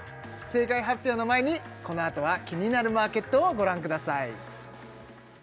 正解発表の前にこのあとは「キニナルマーケット」をご覧ください